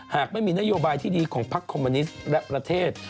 หากไม่มีนโยบายที่ดีของพักคอมมิวนิสต์และประเทศ